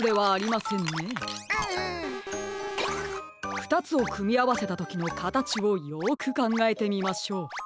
ふたつをくみあわせたときのかたちをよくかんがえてみましょう。